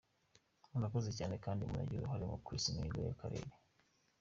Murakoze cyane kandi munagize uruhare mu kwesa imihigo y’akarere.